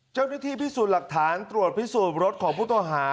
เจ้าหน้าที่พิสูจน์หลักฐานตรวจพิสูจน์รถของผู้ต้องหา